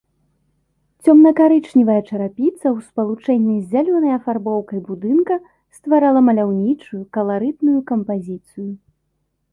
Цёмна-карычневая чарапіца ў спалучэнні з зялёнай афарбоўкай будынка стварала маляўнічую, каларытную кампазіцыю.